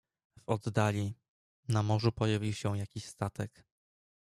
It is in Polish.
"W oddali, na morzu pojawił się jakiś statek."